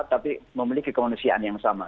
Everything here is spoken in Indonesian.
tapi memiliki kemanusiaan yang sama